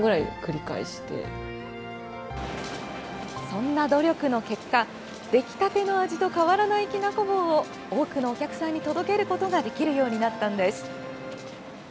そんな努力の結果出来たての味と変わらないきなこ棒を多くのお客さんに届けることができるようになったのです。